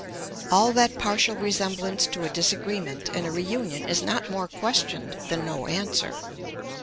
All that partial resemblance to a disagreement and a reunion is not more questioned than no answer.